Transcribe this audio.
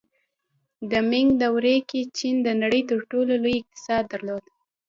د مینګ دورې کې چین د نړۍ تر ټولو لوی اقتصاد درلود.